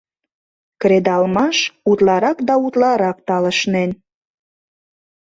Кредалмаш, утларак да утларак талышнен.